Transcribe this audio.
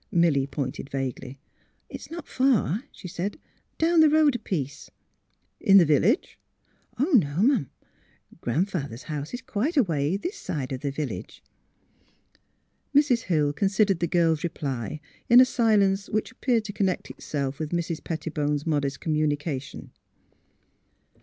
" Milly pointed vaguely. " It's not far," she said, *' down the road a piece." '' In the village? "'* No 'm ; Gran 'father 's house is quite a ways this side of the village." Mrs. Hill considered the girl's reply in a silence which appeared to connect itself with Mrs. Petti bone 's modest communication.